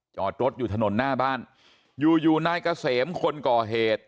จอดรถอยู่ถนนหน้าบ้านอยู่อยู่นายเกษมคนก่อเหตุ